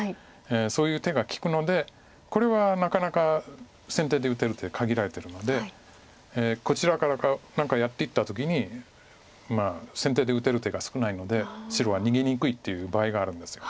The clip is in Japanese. そういう手が利くのでこれはなかなか先手で打てる手限られてるのでこちらからか何かやっていった時に先手で打てる手が少ないので白は逃げにくいっていう場合があるんです。